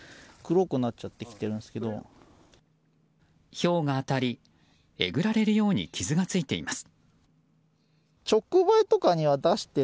ひょうが当たりえぐられるように傷がついています。